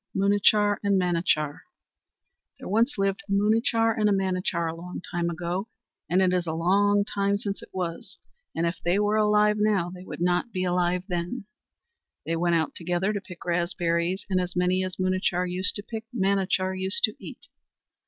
Munachar and Manachar There once lived a Munachar and a Manachar, a long time ago, and it is a long time since it was, and if they were alive now they would not be alive then. They went out together to pick raspberries, and as many as Munachar used to pick Manachar used to eat.